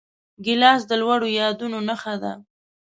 ګیلاس د لوړو یادونو نښه ده.